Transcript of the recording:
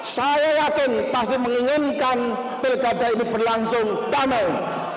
saya yakin pasti saling inginkan pilgadah itu berlangsung tombol